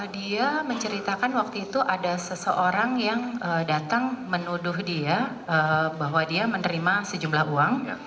dia menceritakan waktu itu ada seseorang yang datang menuduh dia bahwa dia menerima sejumlah uang